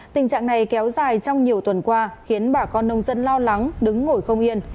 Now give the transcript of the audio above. tình trạng này kéo dài trong nhiều tuần qua khiến bà con nông dân lo lắng đứng ngồi không yên